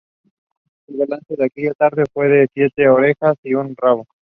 El balance de aquella tarde fue de siete orejas y un rabo.